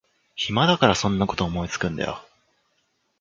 暇だからそんなこと思いつくんだよ